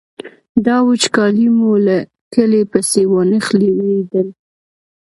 دا وچکالي مو له کلي پسې وانخلي وېرېدل.